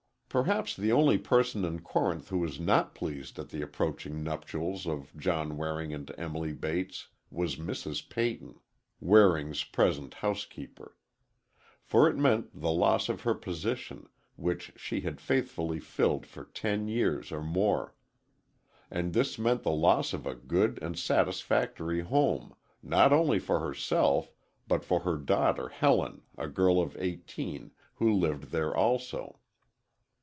Perhaps the only person in Corinth who was not pleased at the approaching nuptials of John Waring and Emily Bates was Mrs. Peyton, Waring's present housekeeper. For it meant the loss of her position, which she had faithfully filled for ten years or more. And this meant the loss of a good and satisfactory home, not only for herself, but for her daughter Helen, a girl of eighteen, who lived there also.